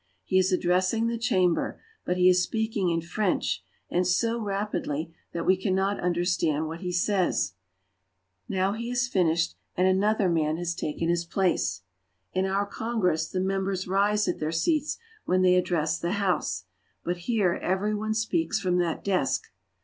He is addressing the Chamber, but he is speaking in French and so rapidly that we cannot understand what he says. Now he has finished and another man has taken his place. In our Congress the members rise at their seats when they address the House, but here every one speaks from that desk.